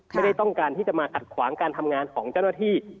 ไม่ได้ต้องการที่จะมาขัดขวางการทำงานของเจ้าหน้าที่